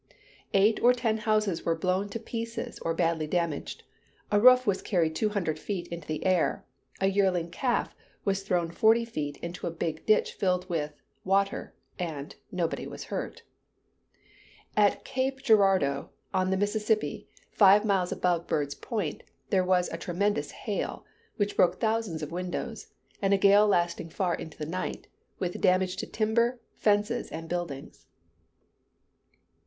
Eight or ten houses were blown to pieces, or badly damaged; a roof was carried two hundred feet into the air; a yearling calf was thrown forty [Illustration: VIEW IN THE RESIDENCE DISTRICT, LOUISVILLE.] feet into a big ditch filled with, water, and nobody was hurt. At Cape Girardeau, on the Mississippi, fifty miles above Bird's Point, there was a tremendous hail, which broke thousands of windows, and a gale lasting far into the night, with damage to timber, fences, and buildings.